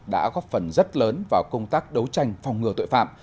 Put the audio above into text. đã góp phần rất lớn vào công tác đấu tranh phòng ngừa tội phạm